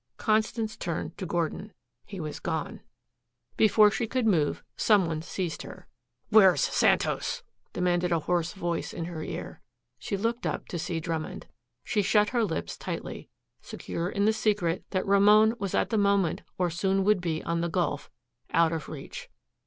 Constance turned to Gordon. He was gone. Before she could move, some one seized her. "Where's Santos?" demanded a hoarse voice in her ear. She looked up to see Drummond. She shut her lips tightly, secure in the secret that Ramon was at the moment or soon would be on the Gulf, out of reach.